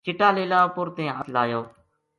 چٹا لیلا اپر تیں ہتھ لایو